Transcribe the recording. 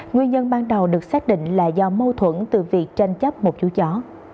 nguyên nhân ban đầu được xác định là do mâu thuẫn từ việc tranh chấp một chú chó